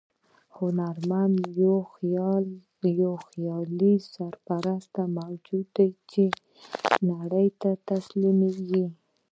هنرمند یو خیال پرست موجود دی چې نړۍ ته تسلیمېږي.